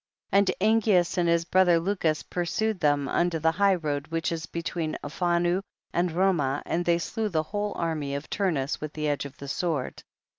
24. And Angeas and his brother Lucus pursued them unto the high road, which is between Alphanu and Romah, and they slew the whole army of Turnus with the edge of the sword.